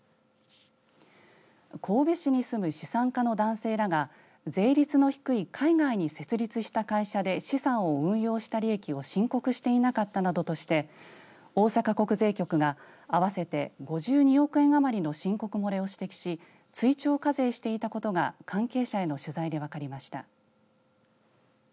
神戸市に住む資産家の男性らが税率の低い海外に設立した会社で資産を運用した利益を申告していなかったなどとして大阪国税局が合わせて５２億円余りの申告漏れを指摘し追徴課税していたことが関係者への取材で分かりました。